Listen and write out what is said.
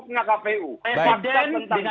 fakta tentang ketentukan kpu dan sebagainya